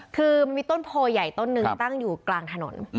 คือมีต้นโพใหญ่ต้นนึงตั้งอยู่กลางถนน